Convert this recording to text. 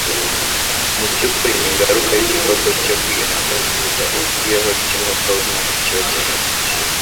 mu by'ukuri ni ingaruka y'igikorwa cyo kwihangana kudahutiyeho cy'Umwuka w'Imana kiba kimaze igihe.